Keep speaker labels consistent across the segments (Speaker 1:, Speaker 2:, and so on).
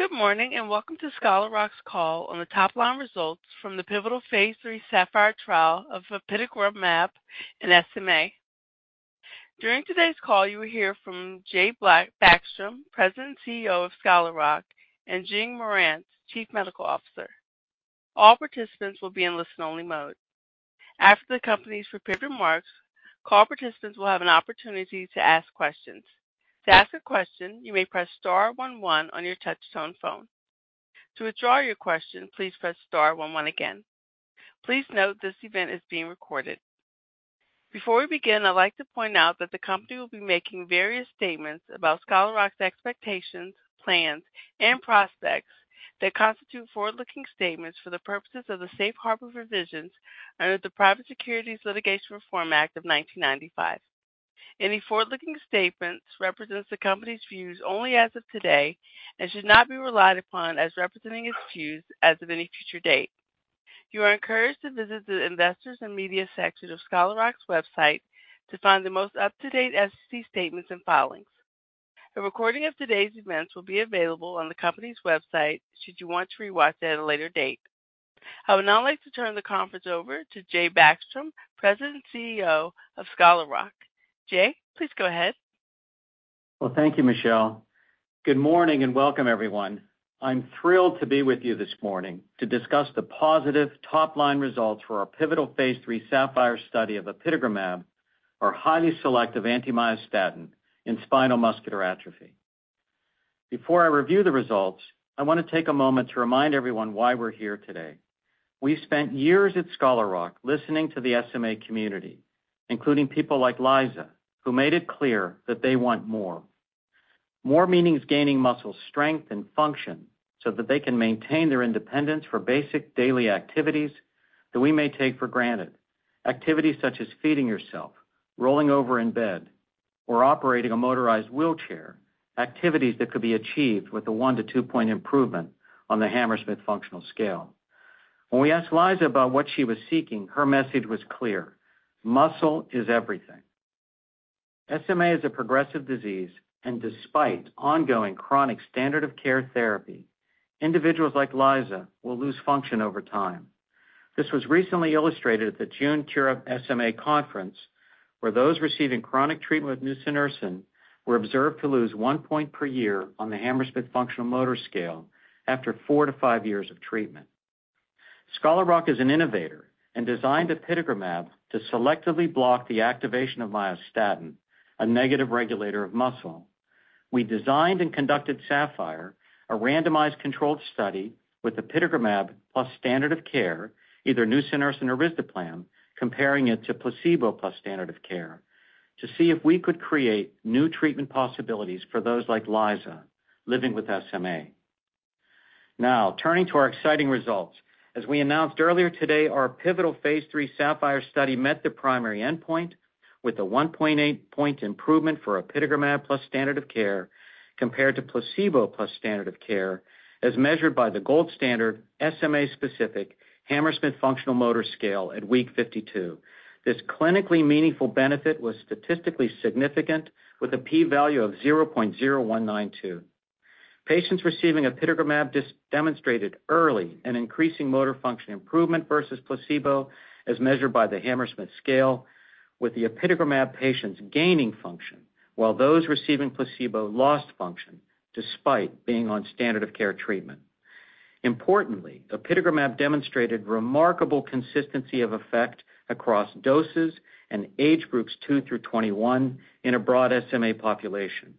Speaker 1: Good morning, and welcome to Scholar Rock's call on the top-line results from the pivotal phase III SAPPHIRE trial of apitegromab in SMA. During today's call, you will hear from Jay Backstrom, President and CEO of Scholar Rock, and Jing Marantz, Chief Medical Officer. All participants will be in listen-only mode. After the company's prepared remarks, call participants will have an opportunity to ask questions. To ask a question, you may press star one one on your touchtone phone. To withdraw your question, please press star one one again. Please note this event is being recorded. Before we begin, I'd like to point out that the company will be making various statements about Scholar Rock's expectations, plans and prospects that constitute forward-looking statements for the purposes of the safe harbor provisions under the Private Securities Litigation Reform Act of 1995. Any forward-looking statements represent the company's views only as of today and should not be relied upon as representing its views as of any future date. You are encouraged to visit the Investors and Media section of Scholar Rock's website to find the most up-to-date SEC statements and filings. A recording of today's events will be available on the company's website, should you want to rewatch it at a later date. I would now like to turn the conference over to Jay Backstrom, President and CEO of Scholar Rock. Jay, please go ahead.
Speaker 2: Well, thank you, Michelle. Good morning, and welcome, everyone. I'm thrilled to be with you this morning to discuss the positive top-line results for our pivotal phase III SAPPHIRE study of apitegromab, our highly selective anti-myostatin in spinal muscular atrophy. Before I review the results, I want to take a moment to remind everyone why we're here today. We've spent years at Scholar Rock listening to the SMA community, including people like Liza, who made it clear that they want more. More, meaning gaining muscle strength and function so that they can maintain their independence for basic daily activities that we may take for granted. Activities such as feeding yourself, rolling over in bed, or operating a motorized wheelchair, activities that could be achieved with a one- to two-point improvement on the Hammersmith Functional Scale. When we asked Liza about what she was seeking, her message was clear: muscle is everything. SMA is a progressive disease, and despite ongoing chronic standard of care therapy, individuals like Liza will lose function over time. This was recently illustrated at the June Cure SMA conference, where those receiving chronic treatment with nusinersen were observed to lose one point per year on the Hammersmith Functional Motor Scale after four to five years of treatment. Scholar Rock is an innovator and designed apitegromab to selectively block the activation of myostatin, a negative regulator of muscle. We designed and conducted SAPPHIRE, a randomized controlled study with apitegromab plus standard of care, either nusinersen or risdiplam, comparing it to placebo plus standard of care, to see if we could create new treatment possibilities for those like Liza living with SMA. Now, turning to our exciting results. As we announced earlier today, our pivotal phase III SAPPHIRE study met the primary endpoint with a 1.8-point improvement for apitegromab plus standard of care, compared to placebo plus standard of care, as measured by the gold standard SMA-specific Hammersmith Functional Motor Scale at week 52. This clinically meaningful benefit was statistically significant with a p-value of 0.0192. Patients receiving apitegromab demonstrated early an increasing motor function improvement versus placebo, as measured by the Hammersmith scale, with the apitegromab patients gaining function, while those receiving placebo lost function despite being on standard of care treatment. Importantly, apitegromab demonstrated remarkable consistency of effect across doses and age groups 2 through 21 in a broad SMA population.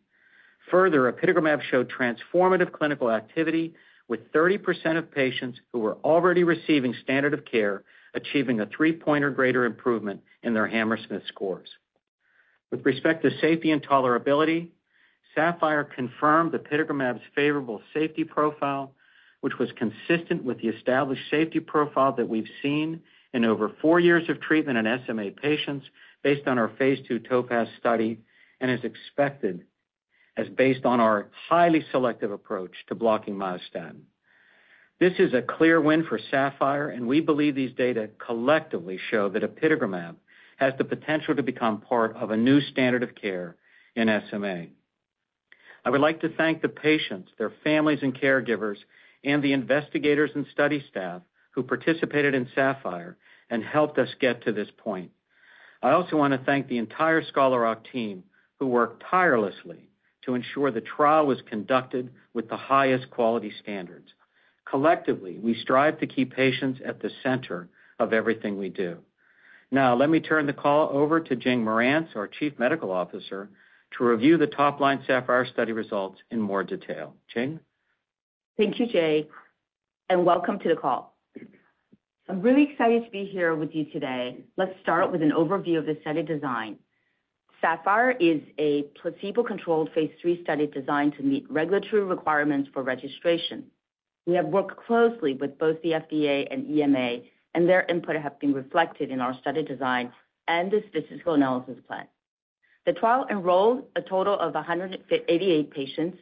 Speaker 2: Further, apitegromab showed transformative clinical activity, with 30% of patients who were already receiving standard of care achieving a three-point or greater improvement in their Hammersmith scores. With respect to safety and tolerability, SAPPHIRE confirmed apitegromab's favorable safety profile, which was consistent with the established safety profile that we've seen in over four years of treatment in SMA patients based on our phase II TOPAZ study, and is expected as based on our highly selective approach to blocking myostatin. This is a clear win for SAPPHIRE, and we believe these data collectively show that apitegromab has the potential to become part of a new standard of care in SMA. I would like to thank the patients, their families and caregivers, and the investigators and study staff who participated in SAPPHIRE and helped us get to this point. I also want to thank the entire Scholar Rock team, who worked tirelessly to ensure the trial was conducted with the highest quality standards. Collectively, we strive to keep patients at the center of everything we do. Now, let me turn the call over to Jing Marantz, our Chief Medical Officer, to review the top-line SAPPHIRE study results in more detail. Jing?
Speaker 3: Thank you, Jay, and welcome to the call. I'm really excited to be here with you today. Let's start with an overview of the study design. SAPPHIRE is a placebo-controlled phase III study designed to meet regulatory requirements for registration. We have worked closely with both the FDA and EMA, and their input have been reflected in our study design and the statistical analysis plan. The trial enrolled a total of 188 patients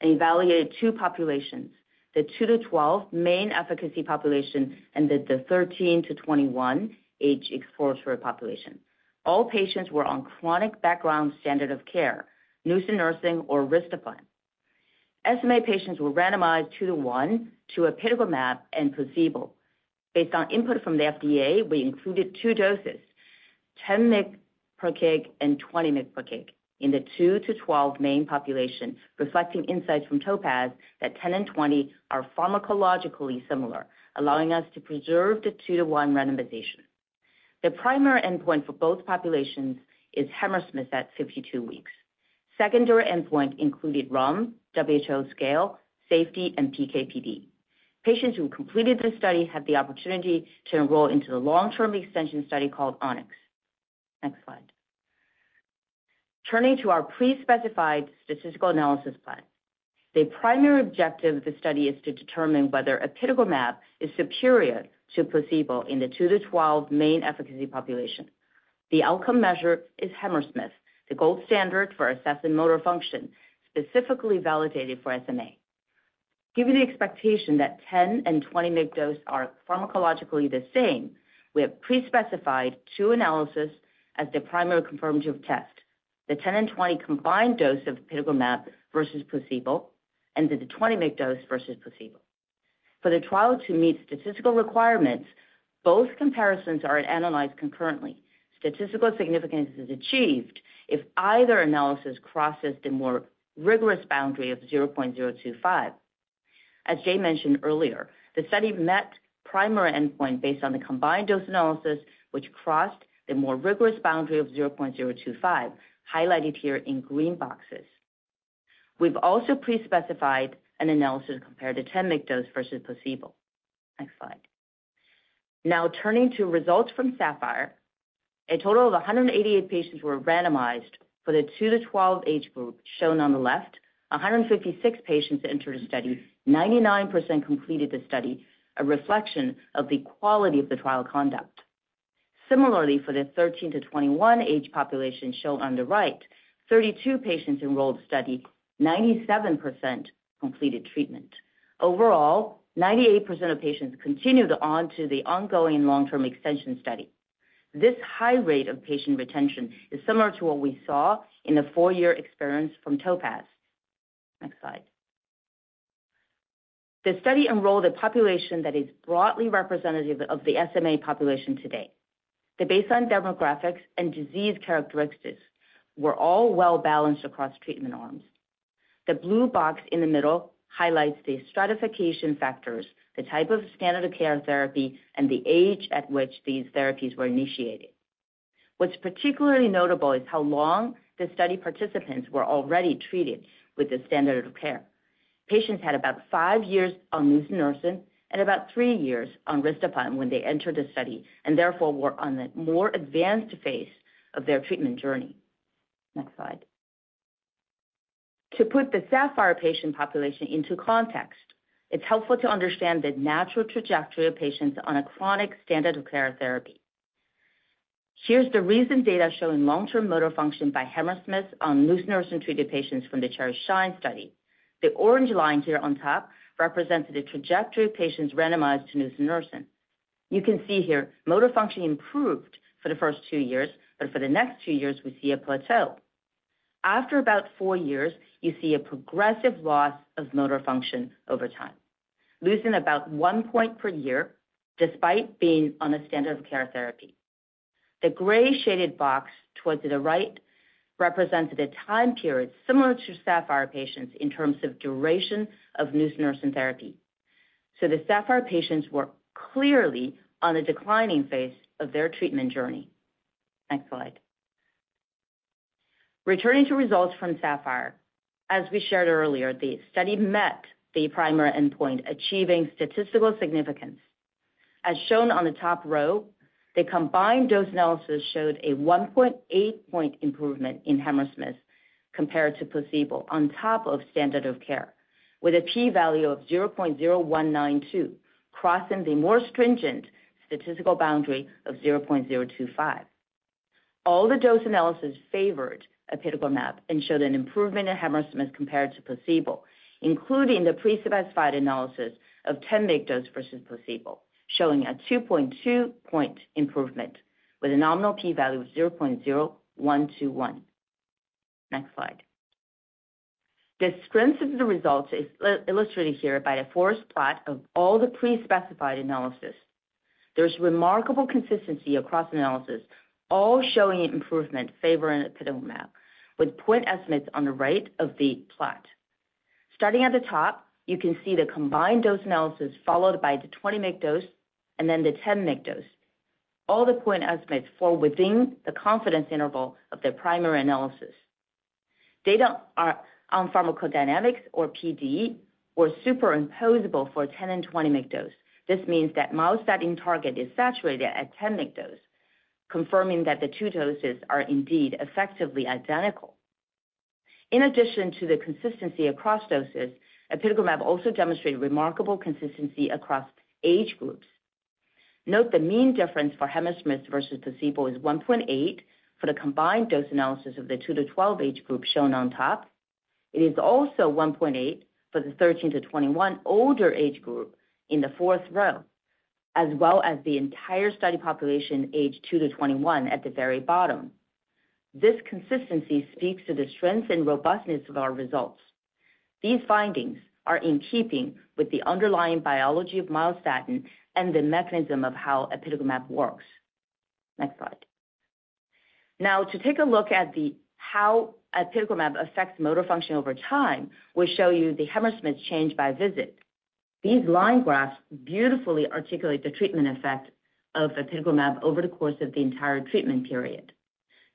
Speaker 3: and evaluated two populations: the two to 12 main efficacy population and the 13-21 age exploratory population.... All patients were on chronic background standard of care, nusinersen or risdiplam. SMA patients were randomized two to one to apitegromab and placebo. Based on input from the FDA, we included two doses, 10 mg per kg and 20 mg per kg, in the two to 12 main population, reflecting insights from TOPAZ that 10 and 20 are pharmacologically similar, allowing us to preserve the two to one randomization. The primary endpoint for both populations is Hammersmith at 52 weeks. Secondary endpoint included RULM, WHO scale, safety, and PK/PD. Patients who completed this study had the opportunity to enroll into the long-term extension study called ONYX. Next slide. Turning to our pre-specified statistical analysis plan. The primary objective of the study is to determine whether apitegromab is superior to placebo in the two to 12 main efficacy population. The outcome measure is Hammersmith, the gold standard for assessing motor function, specifically validated for SMA. Given the expectation that 10 and 20 mg dose are pharmacologically the same, we have pre-specified two analyses as the primary confirmatory test, the 10 and 20 combined dose of apitegromab versus placebo, and the 20 mg dose versus placebo. For the trial to meet statistical requirements, both comparisons are analyzed concurrently. Statistical significance is achieved if either analysis crosses the more rigorous boundary of zero point zero two five. As Jay mentioned earlier, the study met primary endpoint based on the combined dose analysis, which crossed the more rigorous boundary of zero point zero two five, highlighted here in green boxes. We've also pre-specified an analysis compared to 10 mg dose versus placebo. Next slide. Now, turning to results from SAPPHIRE. A total of 188 patients were randomized for the two to 12 age group, shown on the left. 156 patients entered the study, 99% completed the study, a reflection of the quality of the trial conduct. Similarly, for the 13-21 age population shown on the right, 32 patients enrolled in the study, 97% completed treatment. Overall, 98% of patients continued on to the ongoing long-term extension study. This high rate of patient retention is similar to what we saw in the four-year experience from TOPAZ. Next slide. The study enrolled a population that is broadly representative of the SMA population today. The baseline demographics and disease characteristics were all well-balanced across treatment arms. The blue box in the middle highlights the stratification factors, the type of standard of care therapy, and the age at which these therapies were initiated. What's particularly notable is how long the study participants were already treated with the standard of care. Patients had about five years on nusinersen and about three years on risdiplam when they entered the study, and therefore, were on the more advanced phase of their treatment journey. Next slide. To put the SAPPHIRE patient population into context, it's helpful to understand the natural trajectory of patients on a chronic standard of care therapy. Here's the recent data showing long-term motor function by Hammersmith on nusinersen-treated patients from the CHERISH/SHINE study. The orange line here on top represents the trajectory of patients randomized to nusinersen. You can see here motor function improved for the first two years, but for the next two years, we see a plateau. After about four years, you see a progressive loss of motor function over time, losing about one point per year despite being on a standard of care therapy. The gray shaded box towards the right represents the time period similar to SAPPHIRE patients in terms of duration of nusinersen therapy. So the SAPPHIRE patients were clearly on a declining phase of their treatment journey. Next slide. Returning to results from SAPPHIRE. As we shared earlier, the study met the primary endpoint, achieving statistical significance. As shown on the top row, the combined dose analysis showed a 1.8-point improvement in Hammersmith compared to placebo, on top of standard of care, with a p-value of 0.0192, crossing the more stringent statistical boundary of 0.025. All the dose analysis favored apitegromab and showed an improvement in Hammersmith compared to placebo, including the pre-specified analysis of 10 mg dose versus placebo, showing a 2.2-point improvement with a nominal p-value of 0.0121. Next slide. The strength of the results is well-illustrated here by a forest plot of all the pre-specified analysis. There's remarkable consistency across analysis, all showing improvement favoring apitegromab, with point estimates on the right of the plot. Starting at the top, you can see the combined dose analysis, followed by the 20 mg dose and then the 10 mg dose. All the point estimates fall within the confidence interval of the primary analysis. Data on pharmacodynamics, or PD, were superimposable for 10 and 20 mg dose. This means that myostatin target is saturated at 10 mg dose, confirming that the two doses are indeed effectively identical. In addition to the consistency across doses, apitegromab also demonstrated remarkable consistency across age groups. Note the mean difference for Hammersmith versus placebo is 1.8 for the combined dose analysis of the two to 12 age group shown on top. It is also 1.8 for the 13-21 older age group in the fourth row, as well as the entire study population, aged two to 21 at the very bottom. This consistency speaks to the strength and robustness of our results. These findings are in keeping with the underlying biology of myostatin and the mechanism of how apitegromab works. Next slide. Now, to take a look at the, how apitegromab affects motor function over time, we'll show you the Hammersmith change by visit. These line graphs beautifully articulate the treatment effect of apitegromab over the course of the entire treatment period.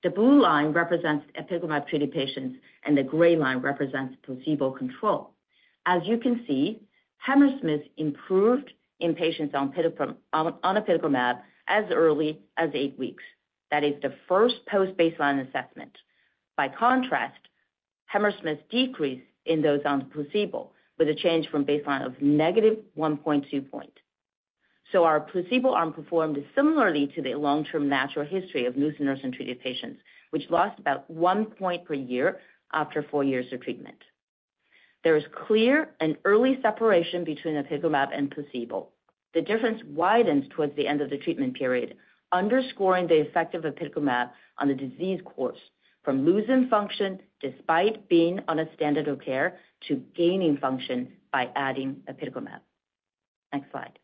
Speaker 3: The blue line represents apitegromab-treated patients, and the gray line represents placebo control. As you can see, Hammersmith improved in patients on apitegromab as early as eight weeks. That is the first post-baseline assessment. By contrast, Hammersmith decreased in those on placebo, with a change from baseline of negative 1.2 points. So our placebo arm performed similarly to the long-term natural history of nusinersen-treated patients, which lost about 1 point per year after four years of treatment. There is clear and early separation between apitegromab and placebo. The difference widens towards the end of the treatment period, underscoring the effect of apitegromab on the disease course from losing function despite being on a standard of care, to gaining function by adding apitegromab. Next slide.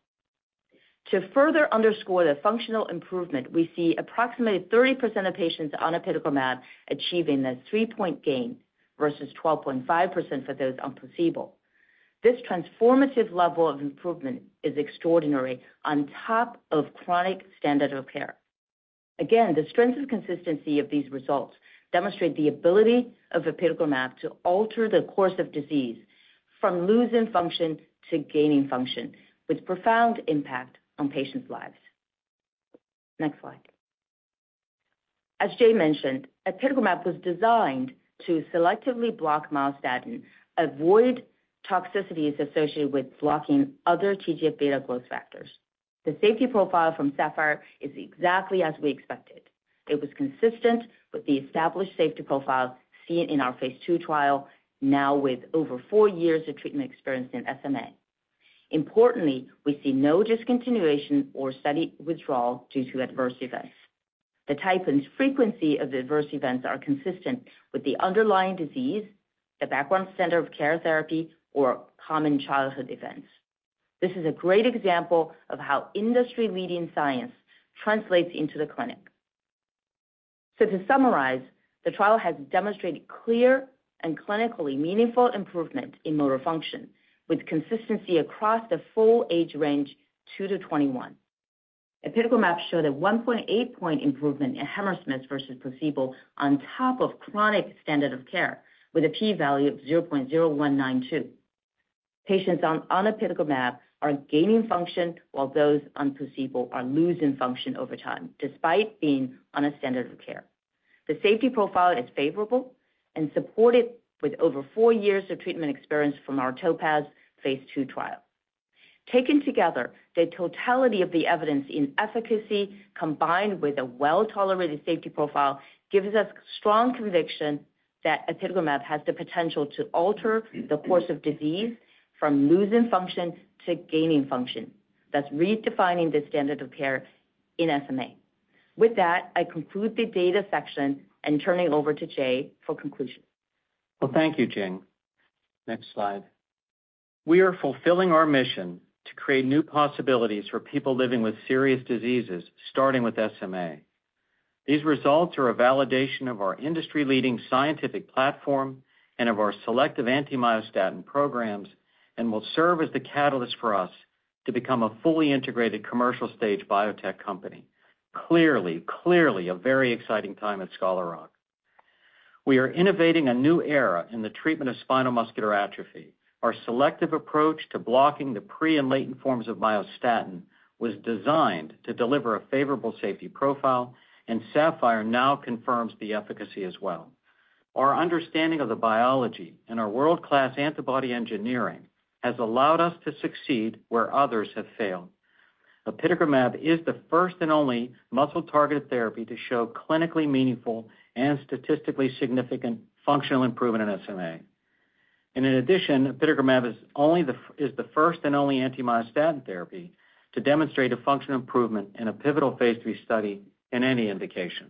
Speaker 3: To further underscore the functional improvement, we see approximately 30% of patients on apitegromab achieving a three-point gain versus 12.5% for those on placebo. This transformative level of improvement is extraordinary on top of chronic standard of care. Again, the strength and consistency of these results demonstrate the ability of apitegromab to alter the course of disease from losing function to gaining function, with profound impact on patients' lives. Next slide. As Jay mentioned, apitegromab was designed to selectively block myostatin, avoid toxicities associated with blocking other TGF-beta growth factors. The safety profile from SAPPHIRE is exactly as we expected. It was consistent with the established safety profile seen in our phase II trial, now with over four years of treatment experience in SMA. Importantly, we see no discontinuation or study withdrawal due to adverse events. The type and frequency of the adverse events are consistent with the underlying disease, the background standard of care therapy, or common childhood events. This is a great example of how industry-leading science translates into the clinic. To summarize, the trial has demonstrated clear and clinically meaningful improvement in motor function, with consistency across the full age range, two to 21. Apitegromab showed a 1.8-point improvement in Hammersmith versus placebo on top of chronic standard of care, with a p-value of 0.0192. Patients on apitegromab are gaining function, while those on placebo are losing function over time, despite being on a standard of care. The safety profile is favorable and supported with over 4 years of treatment experience from our TOPAZ phase II trial. Taken together, the totality of the evidence in efficacy, combined with a well-tolerated safety profile, gives us strong conviction that apitegromab has the potential to alter the course of disease from losing function to gaining function. That's redefining the standard of care in SMA. With that, I conclude the data section and turn it over to Jay for conclusion.
Speaker 2: Thank you, Jing. Next slide. We are fulfilling our mission to create new possibilities for people living with serious diseases, starting with SMA. These results are a validation of our industry-leading scientific platform and of our selective anti-myostatin programs, and will serve as the catalyst for us to become a fully integrated commercial-stage biotech company. Clearly, a very exciting time at Scholar Rock. We are innovating a new era in the treatment of spinal muscular atrophy. Our selective approach to blocking the pro and latent forms of myostatin was designed to deliver a favorable safety profile, and SAPPHIRE now confirms the efficacy as well. Our understanding of the biology and our world-class antibody engineering has allowed us to succeed where others have failed. Apitegromab is the first and only muscle-targeted therapy to show clinically meaningful and statistically significant functional improvement in SMA. In addition, apitegromab is the first and only anti-myostatin therapy to demonstrate a functional improvement in a pivotal phase III study in any indication.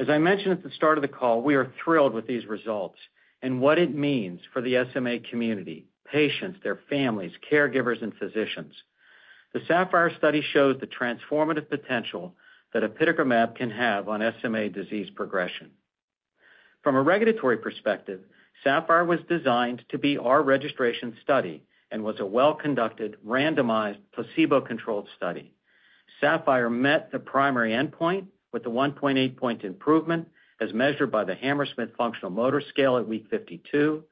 Speaker 2: As I mentioned at the start of the call, we are thrilled with these results and what it means for the SMA community, patients, their families, caregivers, and physicians. The SAPPHIRE study shows the transformative potential that apitegromab can have on SMA disease progression. From a regulatory perspective, SAPPHIRE was designed to be our registration study and was a well-conducted, randomized, placebo-controlled study. SAPPHIRE met the primary endpoint with a 1.8-point improvement, as measured by the Hammersmith Functional Motor Scale at week 52.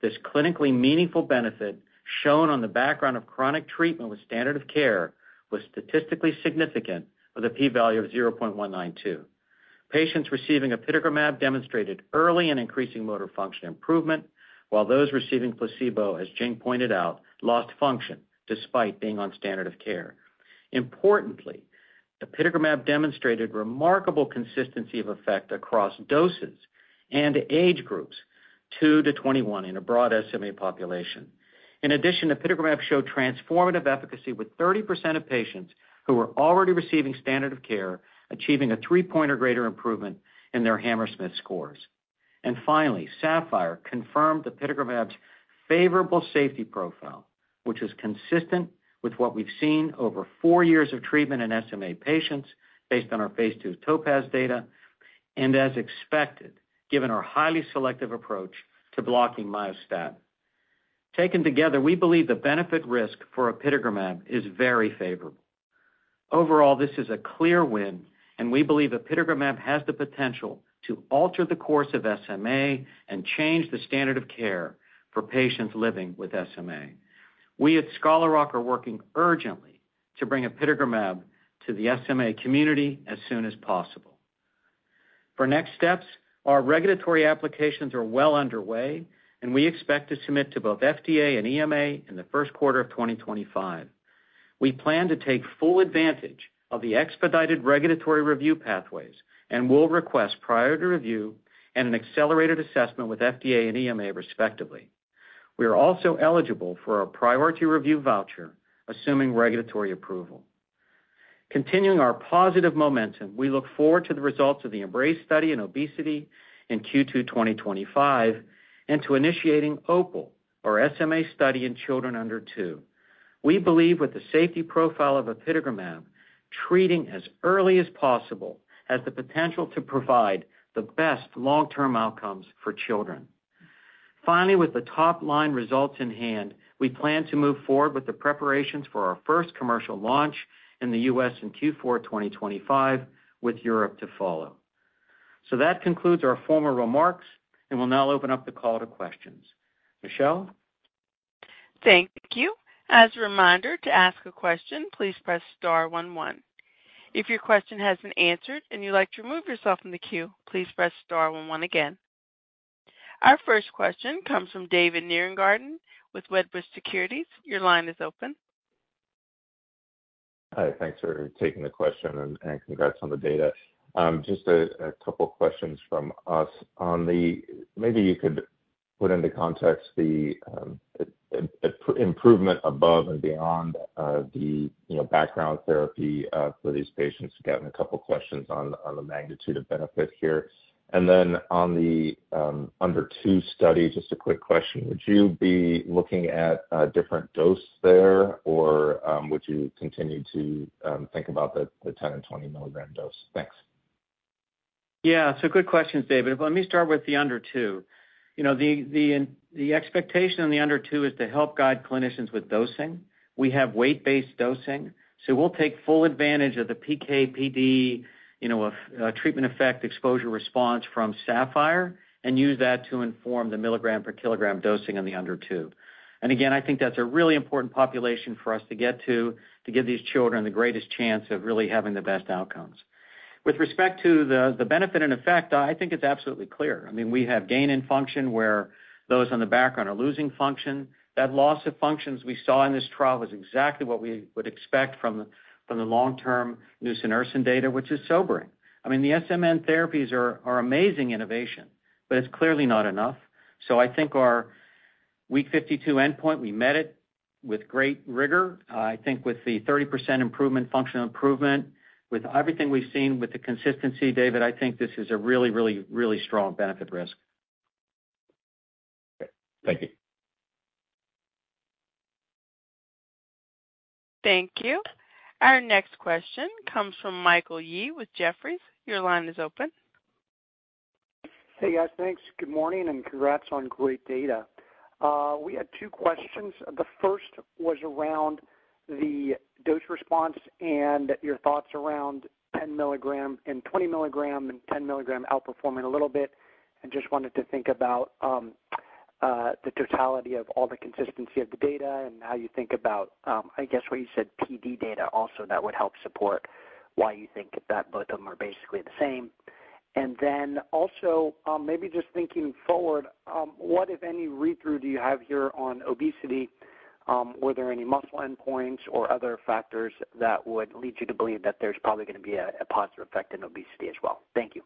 Speaker 2: This clinically meaningful benefit, shown on the background of chronic treatment with standard of care, was statistically significant, with a p-value of 0.192. Patients receiving apitegromab demonstrated early and increasing motor function improvement, while those receiving placebo, as Jing pointed out, lost function despite being on standard of care. Importantly, apitegromab demonstrated remarkable consistency of effect across doses and age groups, two to 21 in a broad SMA population. In addition, apitegromab showed transformative efficacy, with 30% of patients who were already receiving standard of care, achieving a three-point or greater improvement in their Hammersmith scores. And finally, SAPPHIRE confirmed apitegromab's favorable safety profile, which is consistent with what we've seen over four years of treatment in SMA patients based on our phase II TOPAZ data, and as expected, given our highly selective approach to blocking myostatin. Taken together, we believe the benefit risk for apitegromab is very favorable. Overall, this is a clear win, and we believe apitegromab has the potential to alter the course of SMA and change the standard of care for patients living with SMA. We at Scholar Rock are working urgently to bring apitegromab to the SMA community as soon as possible. For next steps, our regulatory applications are well underway, and we expect to submit to both FDA and EMA in the first quarter of 2025. We plan to take full advantage of the expedited regulatory review pathways and will request priority review and an accelerated assessment with FDA and EMA, respectively. We are also eligible for a priority review voucher, assuming regulatory approval. Continuing our positive momentum, we look forward to the results of the EMBRACE study in obesity in Q2 2025, and to initiating OPAL, our SMA study in children under two. We believe with the safety profile of apitegromab, treating as early as possible has the potential to provide the best long-term outcomes for children. Finally, with the top-line results in hand, we plan to move forward with the preparations for our first commercial launch in the U.S. in Q4 2025, with Europe to follow. So that concludes our formal remarks, and we'll now open up the call to questions. Michelle?
Speaker 1: Thank you. As a reminder, to ask a question, please press star one, one. If your question has been answered and you'd like to remove yourself from the queue, please press star one, one again. Our first question comes from David Nierengarten with Wedbush Securities. Your line is open.
Speaker 4: Hi, thanks for taking the question, and congrats on the data. Just a couple questions from us. On the maybe you could put into context the improvement above and beyond the you know background therapy for these patients. Getting a couple questions on the magnitude of benefit here. And then on the under two study, just a quick question: Would you be looking at a different dose there, or would you continue to think about the 10 and 20 mg dose? Thanks. Yeah, so good questions, David. Let me start with the under two. You know, the expectation on the under two is to help guide clinicians with dosing. We have weight-based dosing, so we'll take full advantage of the PK/PD, you know, treatment effect, exposure response from SAPPHIRE and use that to inform the milligram per kilogram dosing on the under two. And again, I think that's a really important population for us to get to, to give these children the greatest chance of really having the best outcomes. With respect to the benefit and effect, I think it's absolutely clear. I mean, we have gain in function where those on the background are losing function. That loss of functions we saw in this trial was exactly what we would expect from the long-term nusinersen data, which is sobering. I mean, the SMN therapies are amazing innovation, but it's clearly not enough. So I think our week 52 endpoint, we met it with great rigor. I think with the 30% improvement, functional improvement, with everything we've seen, with the consistency, David, I think this is a really, really, really strong benefit risk. Thank you.
Speaker 1: Thank you. Our next question comes from Michael Yee with Jefferies. Your line is open.
Speaker 5: Hey, guys, thanks. Good morning, and congrats on great data. We had two questions. The first was around the dose response and your thoughts around 10 mg and 20 mg, and 10 mg outperforming a little bit. I just wanted to think about the totality of all the consistency of the data and how you think about, I guess what you said, PD data also that would help support why you think that both of them are basically the same. And then also, maybe just thinking forward, what, if any, read-through do you have here on obesity? Were there any muscle endpoints or other factors that would lead you to believe that there's probably gonna be a positive effect in obesity as well? Thank you.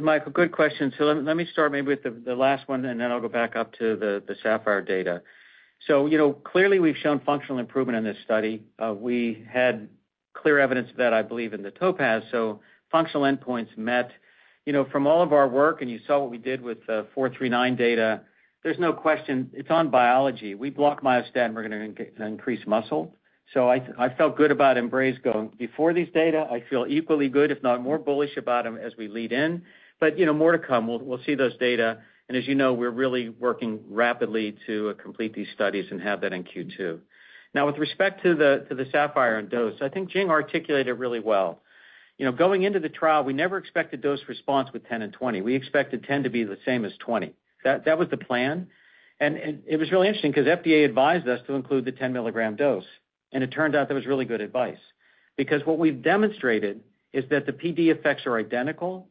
Speaker 2: Michael, good question. So let me start maybe with the last one, and then I'll go back up to the SAPPHIRE data. So you know, clearly, we've shown functional improvement in this study. We had clear evidence of that, I believe, in the TOPAZ, so functional endpoints met. You know, from all of our work, and you saw what we did with the SRK-439 data, there's no question, it's on biology. We block myostatin, we're gonna increase muscle. So I felt good about EMBRACE going before these data. I feel equally good, if not more bullish about them as we lead in, but, you know, more to come. We'll see those data, and as you know, we're really working rapidly to complete these studies and have that in Q2. Now, with respect to the, to the SAPPHIRE and dose, I think Jing articulated it really well. You know, going into the trial, we never expected dose response with 10 and 20. We expected 10 to be the same as 20. That, that was the plan, and it, it was really interesting because FDA advised us to include the 10 mg dose, and it turned out that was really good advice. Because what we've demonstrated is that the PD effects are identical,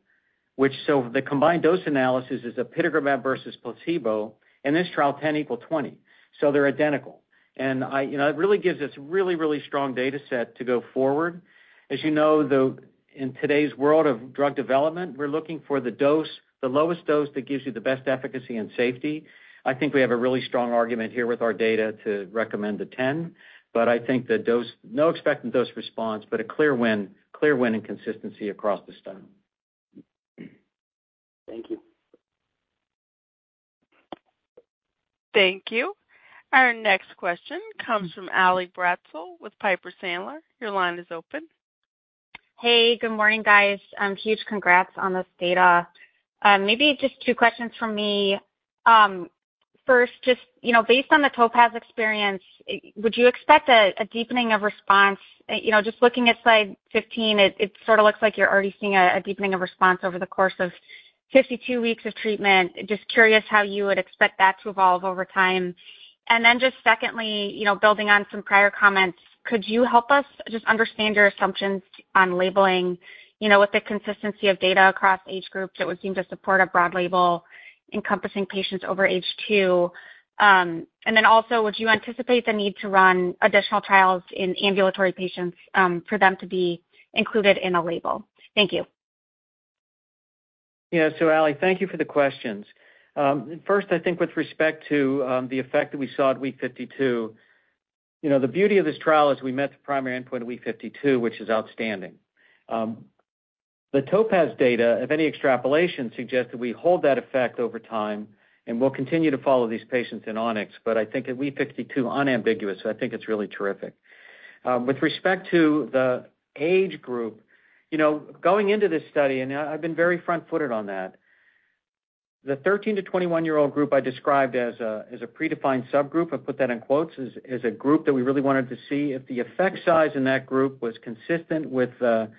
Speaker 2: which... So the combined dose analysis is apitegromab versus placebo, in this trial, 10 equal 20, so they're identical.... And I, you know, it really gives us really, really strong data set to go forward. As you know, the, in today's world of drug development, we're looking for the dose, the lowest dose that gives you the best efficacy and safety. I think we have a really strong argument here with our data to recommend the ten, but I think the dose, no expected dose response, but a clear win, clear win and consistency across the study.
Speaker 5: Thank you.
Speaker 1: Thank you. Our next question comes from Allison Bratzel with Piper Sandler. Your line is open.
Speaker 6: Hey, good morning, guys. Huge congrats on this data. Maybe just two questions from me. First, just, you know, based on the TOPAZ experience, would you expect a deepening of response? You know, just looking at slide 15, it sort of looks like you're already seeing a deepening of response over the course of 52 weeks of treatment. Just curious how you would expect that to evolve over time. And then just secondly, you know, building on some prior comments, could you help us just understand your assumptions on labeling? You know, with the consistency of data across age groups, it would seem to support a broad label encompassing patients over age two. And then also, would you anticipate the need to run additional trials in ambulatory patients, for them to be included in a label? Thank you.
Speaker 2: Yeah. So Ali, thank you for the questions. First, I think with respect to the effect that we saw at week 52, you know, the beauty of this trial is we met the primary endpoint at week 52, which is outstanding. The TOPAZ data, if any extrapolation, suggest that we hold that effect over time, and we'll continue to follow these patients in ONYX. But I think at week 52, unambiguous, I think it's really terrific. With respect to the age group, you know, going into this study, and I've been very front-footed on that, the 13-21 year-old group I described as a predefined subgroup, I've put that in quotes, is a group that we really wanted to see. If the effect size in that group was consistent with the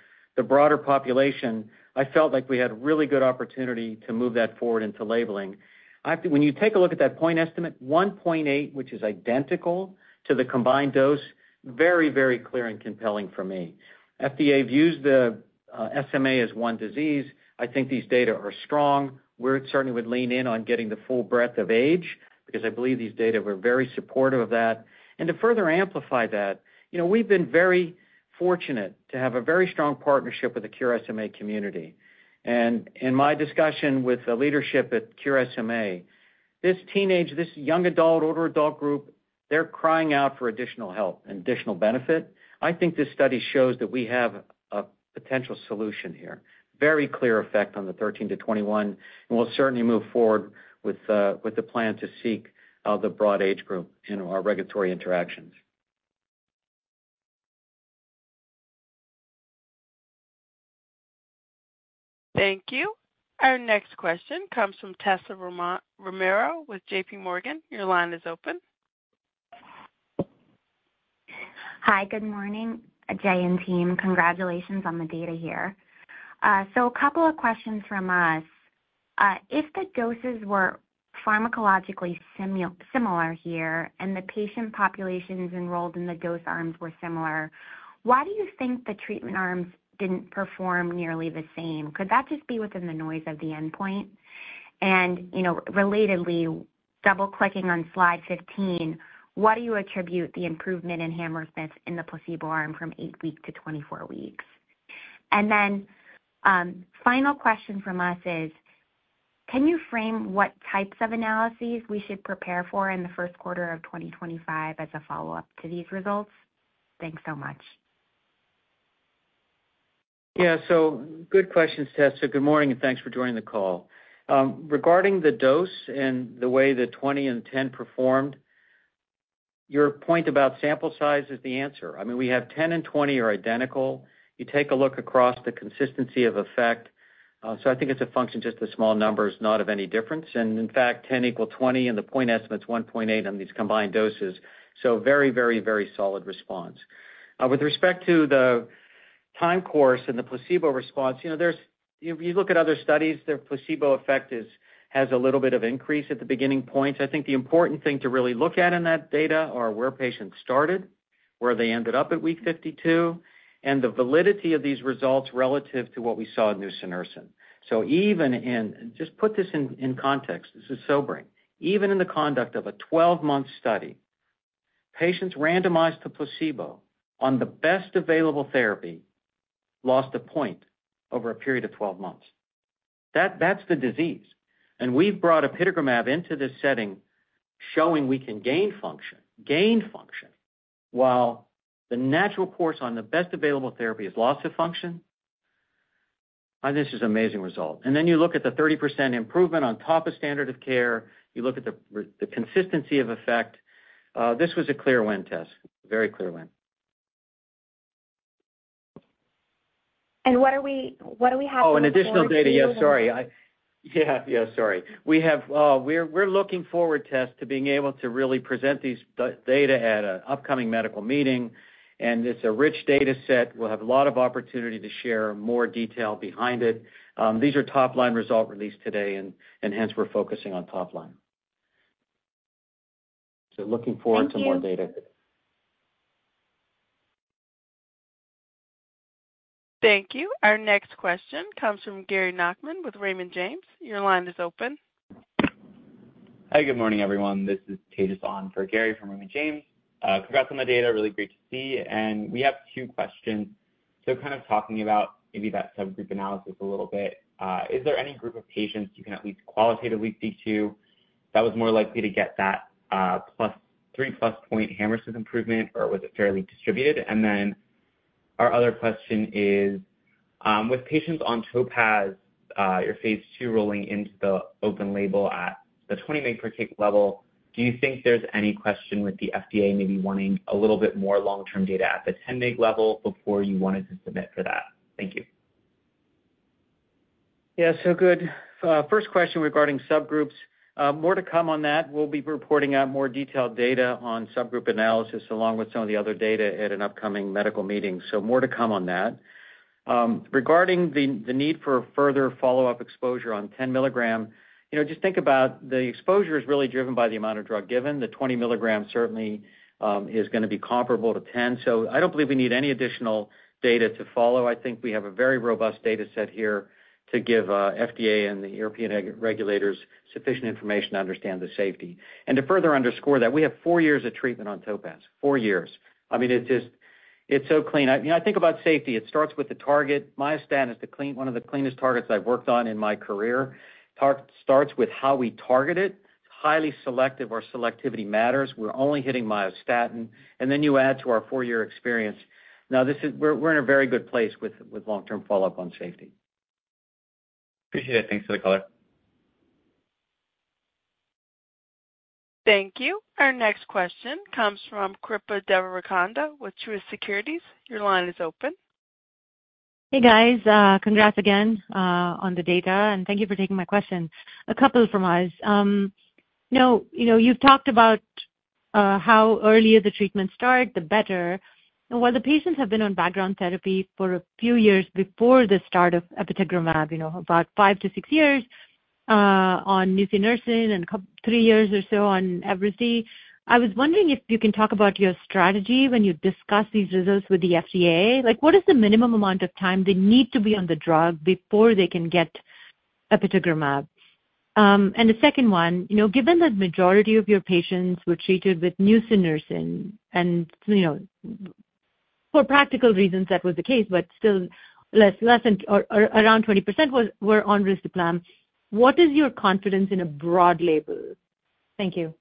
Speaker 2: broader population, I felt like we had a really good opportunity to move that forward into labeling. I, when you take a look at that point estimate, one point eight, which is identical to the combined dose, very, very clear and compelling for me. FDA views the SMA as one disease. I think these data are strong. We certainly would lean in on getting the full breadth of age, because I believe these data were very supportive of that. And to further amplify that, you know, we've been very fortunate to have a very strong partnership with the Cure SMA community. And in my discussion with the leadership at Cure SMA, this teenage, this young adult, older adult group, they're crying out for additional help and additional benefit. I think this study shows that we have a potential solution here. Very clear effect on the 13-21, and we'll certainly move forward with the plan to seek the broad age group in our regulatory interactions.
Speaker 1: Thank you. Our next question comes from Tessa Romero with JPMorgan. Your line is open.
Speaker 7: Hi, good morning, Jay and team. Congratulations on the data here. So a couple of questions from us. If the doses were pharmacologically similar here, and the patient populations enrolled in the dose arms were similar, why do you think the treatment arms didn't perform nearly the same? Could that just be within the noise of the endpoint? And, you know, relatedly, double-clicking on slide 15, what do you attribute the improvement in Hammersmith in the placebo arm from 8-week to 24 weeks? And then, final question from us is, can you frame what types of analyses we should prepare for in the first quarter of 2025 as a follow-up to these results? Thanks so much.
Speaker 2: Yeah, so good questions, Tessa. Good morning, and thanks for joining the call. Regarding the dose and the way the 20 and 10 performed, your point about sample size is the answer. I mean, we have 10 and 20 are identical. You take a look across the consistency of effect. So I think it's a function, just the small number is not of any difference. And in fact, 10 equal 20, and the point estimate is 1.8 on these combined doses, so very, very, very solid response. With respect to the time course and the placebo response, you know, there's. If you look at other studies, their placebo effect is, has a little bit of increase at the beginning points. I think the important thing to really look at in that data are where patients started, where they ended up at week 52, and the validity of these results relative to what we saw in nusinersen. Just put this in context, this is sobering. Even in the conduct of a 12-month study, patients randomized to placebo on the best available therapy lost a point over a period of 12 months. That's the disease, and we've brought apitegromab into this setting, showing we can gain function, gain function, while the natural course on the best available therapy has lost the function. And this is an amazing result. And then you look at the 30% improvement on top of standard of care, you look at the consistency of effect. This was a clear win, Tess, very clear win.
Speaker 7: What do we have-
Speaker 2: Oh, and additional data? Yes, sorry. Yeah, yeah, sorry. We have, we're looking forward, Tess, to being able to really present these data at an upcoming medical meeting, and it's a rich data set. We'll have a lot of opportunity to share more detail behind it. These are top-line results released today, and hence we're focusing on top line. Looking forward to more data.
Speaker 1: Thank you. Our next question comes from Gary Nachman with Raymond James. Your line is open. Hi, good morning, everyone. This is Tejas on for Gary from Raymond James. Congrats on the data, really great to see. And we have two questions. So kind of talking about maybe that subgroup analysis a little bit, is there any group of patients you can at least qualitatively speak to that was more likely to get that plus, 3+ point Hammersmith improvement, or was it fairly distributed? And then our other question is, with patients on TOPAZ, your phase II rolling into the open-label at the 20 mg per kg level, do you think there's any question with the FDA maybe wanting a little bit more long-term data at the 10 mg level before you wanted to submit for that? Thank you.
Speaker 2: Yeah, so good. First question regarding subgroups. More to come on that. We'll be reporting out more detailed data on subgroup analysis, along with some of the other data at an upcoming medical meeting, so more to come on that. Regarding the need for further follow-up exposure on 10 mg, you know, just think about the exposure is really driven by the amount of drug given. The 20 mg certainly is gonna be comparable to 10, so I don't believe we need any additional data to follow. I think we have a very robust data set here to give FDA and the European agency regulators sufficient information to understand the safety. And to further underscore that, we have four years of treatment on TOPAZ, four years. I mean, it's just, it's so clean. You know, I think about safety, it starts with the target. Myostatin is one of the cleanest targets I've worked on in my career. Target starts with how we target it. It's highly selective, our selectivity matters. We're only hitting myostatin, and then you add to our four-year experience. Now we're in a very good place with long-term follow-up on safety. Appreciate it. Thanks for the color.
Speaker 1: Thank you. Our next question comes from Kripa Devarakonda with Truist Securities. Your line is open.
Speaker 8: Hey, guys, congrats again on the data, and thank you for taking my question. A couple from us. Now, you know, you've talked about how earlier the treatment start, the better. And while the patients have been on background therapy for a few years before the start of apitegromab, you know, about five to six years on nusinersen and about three years or so on Evrysdi, I was wondering if you can talk about your strategy when you discuss these results with the FDA. Like, what is the minimum amount of time they need to be on the drug before they can get apitegromab? And the second one, you know, given that majority of your patients were treated with nusinersen, and, you know, for practical reasons, that was the case, but still less than or around 20% were on risdiplam. What is your confidence in a broad label? Thank you.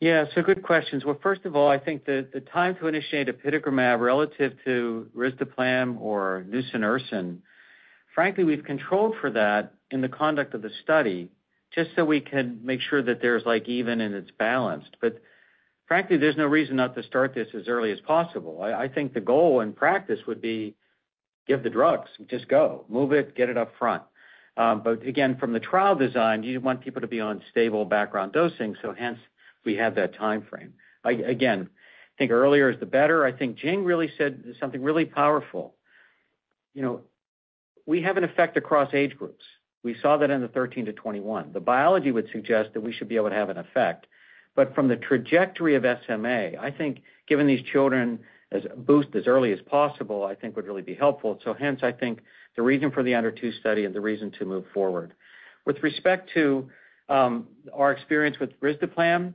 Speaker 2: Yeah, so good questions. First of all, I think the time to initiate apitegromab relative to risdiplam or nusinersen, frankly, we've controlled for that in the conduct of the study just so we can make sure that there's like even and it's balanced. But frankly, there's no reason not to start this as early as possible. I think the goal in practice would be give the drugs, just go, move it, get it up front. But again, from the trial design, you want people to be on stable background dosing, so hence we have that timeframe. I again think earlier is the better. I think Jing really said something really powerful. You know, we have an effect across age groups. We saw that in the 13-21. The biology would suggest that we should be able to have an effect, but from the trajectory of SMA, I think giving these children a boost as early as possible, I think would really be helpful. Hence, I think the reason for the under two study and the reason to move forward. With respect to our experience with risdiplam,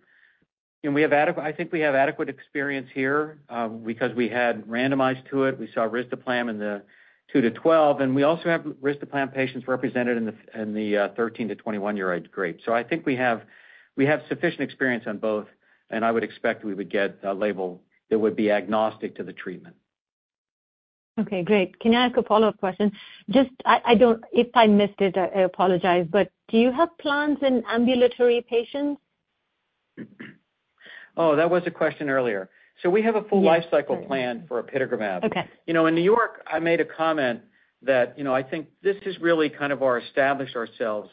Speaker 2: and I think we have adequate experience here, because we had randomized to it. We saw risdiplam in the two to 12, and we also have risdiplam patients represented in the 13-21 year age grade. So I think we have sufficient experience on both, and I would expect we would get a label that would be agnostic to the treatment.
Speaker 8: Okay, great. Can I ask a follow-up question? Just, I don't... If I missed it, I apologize, but do you have plans in ambulatory patients?
Speaker 2: Oh, that was a question earlier.
Speaker 8: Yeah, sorry.
Speaker 2: We have a full life cycle plan for apitegromab.
Speaker 8: Okay.
Speaker 2: You know, in New York, I made a comment that, you know, I think this is really kind of us to establish ourselves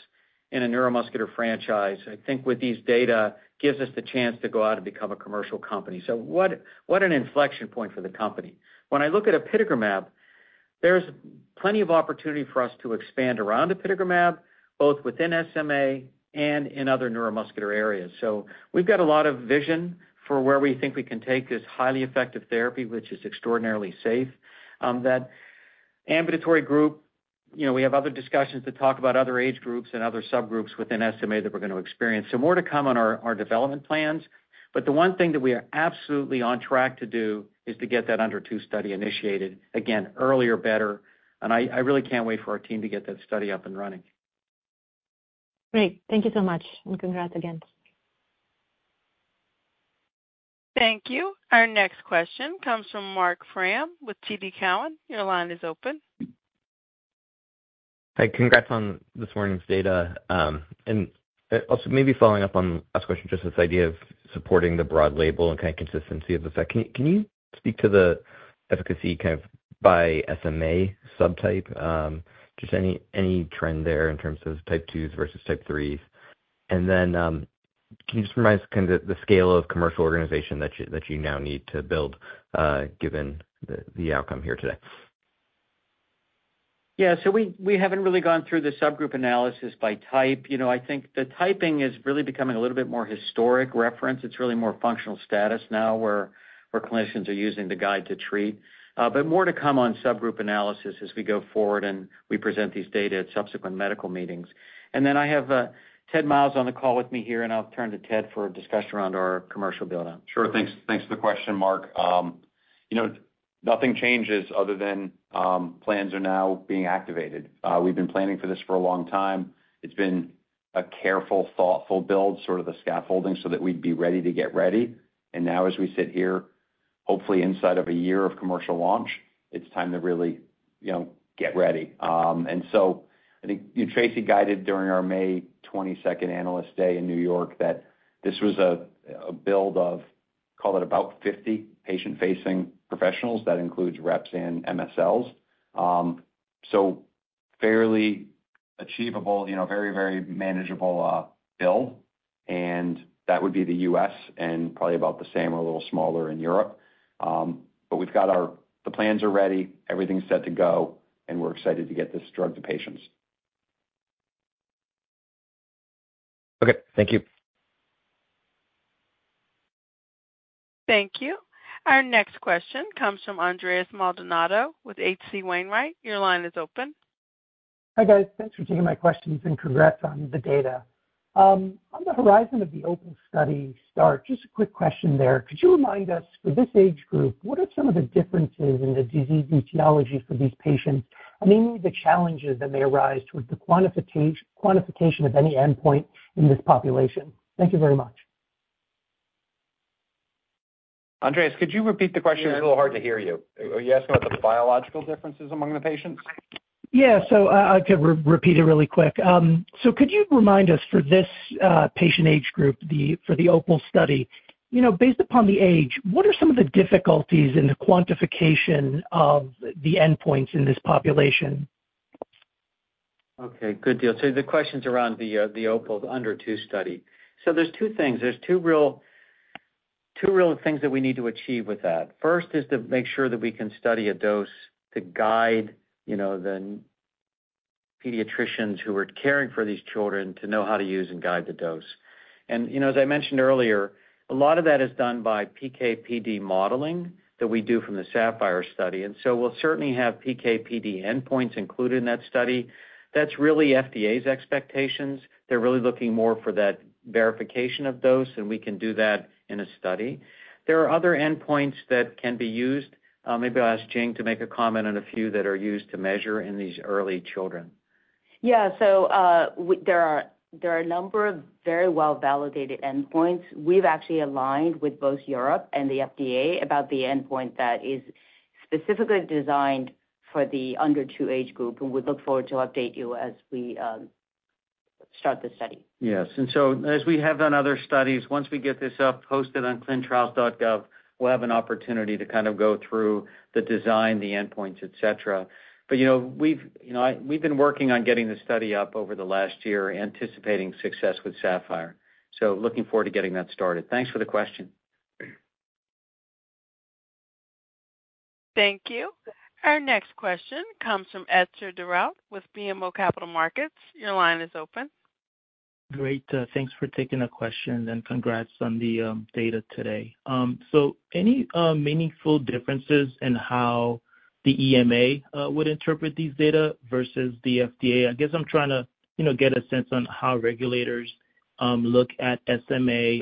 Speaker 2: in a neuromuscular franchise. I think with these data, gives us the chance to go out and become a commercial company. So what an inflection point for the company. When I look at apitegromab, there's plenty of opportunity for us to expand around apitegromab, both within SMA and in other neuromuscular areas. So we've got a lot of vision for where we think we can take this highly effective therapy, which is extraordinarily safe. That ambulatory group, you know, we have other discussions to talk about other age groups and other subgroups within SMA that we're going to experience. So more to come on our development plans, but the one thing that we are absolutely on track to do is to get that under two study initiated. Again, earlier, better, and I really can't wait for our team to get that study up and running.
Speaker 8: Great. Thank you so much, and congrats again.
Speaker 1: Thank you. Our next question comes from Marc Frahm with TD Cowen. Your line is open.
Speaker 9: Hi, congrats on this morning's data. Also, maybe following up on last question, just this idea of supporting the broad label and kind of consistency of the set. Can you speak to the efficacy kind of by SMA subtype? Just any trend there in terms of Type Twos versus Type Threes? And then, can you just remind us kind of the scale of commercial organization that you now need to build, given the outcome here today?...
Speaker 2: Yeah, so we haven't really gone through the subgroup analysis by type. You know, I think the typing is really becoming a little bit more historic reference. It's really more functional status now, where clinicians are using the guide to treat. But more to come on subgroup analysis as we go forward and we present these data at subsequent medical meetings. And then I have Ted Myles on the call with me here, and I'll turn to Ted for a discussion around our commercial build-out.
Speaker 10: Sure, thanks. Thanks for the question, Mark. You know, nothing changes other than, plans are now being activated. We've been planning for this for a long time. It's been a careful, thoughtful build, sort of the scaffolding, so that we'd be ready to get ready. And now, as we sit here, hopefully inside of a year of commercial launch, it's time to really, you know, get ready. And so I think Tracey guided during our May 22nd Analyst Day in New York, that this was a, a build of, call it, about 50 patient-facing professionals. That includes reps and MSLs. So fairly achievable, you know, very, very manageable, build, and that would be the U.S. and probably about the same or a little smaller in Europe. The plans are ready, everything's set to go, and we're excited to get this drug to patients.
Speaker 9: Okay, thank you.
Speaker 1: Thank you. Our next question comes from Andres Maldonado with H.C. Wainwright. Your line is open.
Speaker 11: Hi, guys. Thanks for taking my questions and congrats on the data. On the horizon of the open study start, just a quick question there. Could you remind us, for this age group, what are some of the differences in the disease etiology for these patients? I mean, the challenges that may arise with the quantification of any endpoint in this population. Thank you very much.
Speaker 2: Andres, could you repeat the question? It's a little hard to hear you.
Speaker 10: Are you asking about the biological differences among the patients?
Speaker 11: Yeah, so, I could repeat it really quick. So could you remind us for this patient age group, for the OPAL study, you know, based upon the age, what are some of the difficulties in the quantification of the endpoints in this population?
Speaker 2: Okay, good deal. So the question's around the OPAL under two study. So there's two things. There's two real, two real things that we need to achieve with that. First is to make sure that we can study a dose to guide, you know, the pediatricians who are caring for these children to know how to use and guide the dose. And, you know, as I mentioned earlier, a lot of that is done by PK/PD modeling that we do from the SAPPHIRE study. And so we'll certainly have PK/PD endpoints included in that study. That's really FDA's expectations. They're really looking more for that verification of dose, and we can do that in a study. There are other endpoints that can be used. Maybe I'll ask Jing to make a comment on a few that are used to measure in these early children.
Speaker 3: Yeah, so, there are a number of very well-validated endpoints. We've actually aligned with both Europe and the FDA about the endpoint that is specifically designed for the under two age group, and we look forward to update you as we start the study.
Speaker 2: Yes, and so as we have on other studies, once we get this up, posted on clinicaltrials.gov, we'll have an opportunity to kind of go through the design, the endpoints, et cetera, but you know, we've, you know, we've been working on getting this study up over the last year, anticipating success with Sapphire, so looking forward to getting that started. Thanks for the question.
Speaker 1: Thank you. Our next question comes from Etzer Darout with BMO Capital Markets. Your line is open.
Speaker 12: Great, thanks for taking the question, and congrats on the data today. So any meaningful differences in how the EMA would interpret these data versus the FDA? I guess I'm trying to, you know, get a sense on how regulators look at SMA,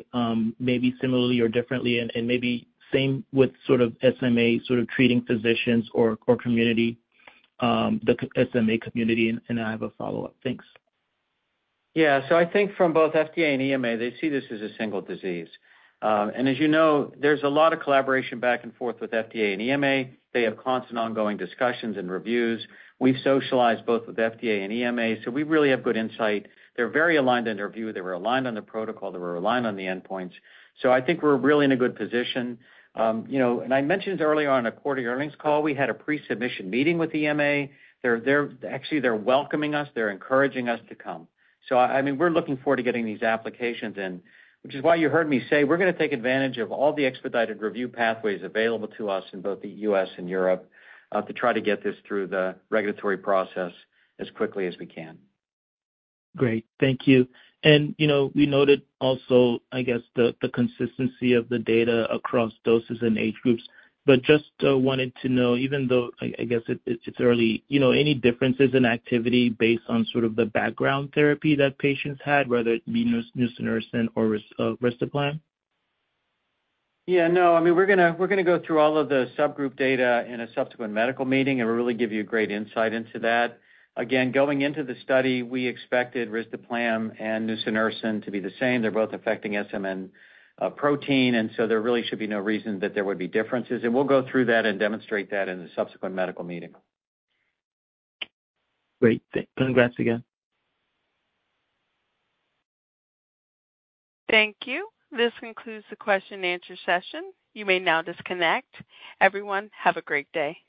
Speaker 12: maybe similarly or differently, and maybe same with sort of SMA, sort of treating physicians or community, the SMA community. And I have a follow-up. Thanks.
Speaker 2: Yeah, so I think from both FDA and EMA, they see this as a single disease, and as you know, there's a lot of collaboration back and forth with FDA and EMA. They have constant ongoing discussions and reviews. We've socialized both with FDA and EMA, so we really have good insight. They're very aligned in their view. They were aligned on the protocol. They were aligned on the endpoints. So I think we're really in a good position. You know, and I mentioned earlier on a quarterly earnings call, we had a pre-submission meeting with EMA. They're actually welcoming us, they're encouraging us to come. I mean, we're looking forward to getting these applications in, which is why you heard me say, we're gonna take advantage of all the expedited review pathways available to us in both the U.S. and Europe to try to get this through the regulatory process as quickly as we can.
Speaker 12: Great. Thank you. And, you know, we noted also, I guess, the consistency of the data across doses and age groups, but just wanted to know, even though I guess it's early, you know, any differences in activity based on sort of the background therapy that patients had, whether it be nusinersen or risdiplam?
Speaker 2: Yeah, no, I mean, we're gonna, we're gonna go through all of the subgroup data in a subsequent medical meeting, and we'll really give you great insight into that. Again, going into the study, we expected risdiplam and nusinersen to be the same. They're both affecting SMN protein, and so there really should be no reason that there would be differences. And we'll go through that and demonstrate that in a subsequent medical meeting.
Speaker 12: Great. Congrats again.
Speaker 1: Thank you. This concludes the question and answer session. You may now disconnect. Everyone, have a great day.